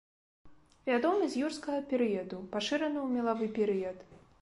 Вядомы з юрскага перыяду, пашыраны ў мелавы перыяд.